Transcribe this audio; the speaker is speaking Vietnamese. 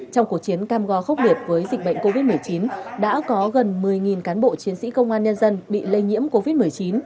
trong cuộc chiến cam go khốc liệt với dịch bệnh covid một mươi chín đã có gần một mươi cán bộ chiến sĩ công an nhân dân bị lây nhiễm covid một mươi chín